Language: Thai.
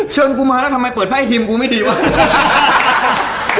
เชิญกูมาแล้วทำไมเปิดแพร่ไอ้ทีมกูไม่ดีวะ